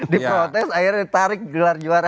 di protes akhirnya ditarik gelar juara